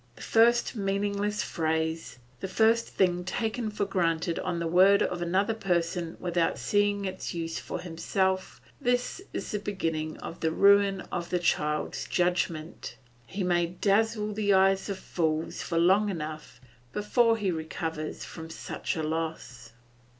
The first meaningless phrase, the first thing taken for granted on the word of another person without seeing its use for himself, this is the beginning of the ruin of the child's judgment. He may dazzle the eyes of fools long enough before he recovers from such a loss.